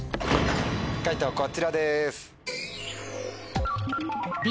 解答こちらです。